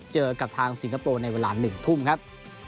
เจอกับทางสิงคโปร์ในเวลา๑ทุ่มครับ